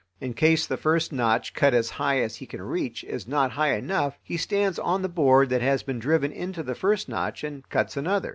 In case the first notch, cut as high as he can reach, is not high enough, he stands on the board that has been driven into the first notch and cuts another.